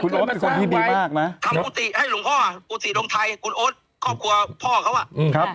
คุณโอ้นเข้ามาประมาณ๔๕หมื่นแล้วครับ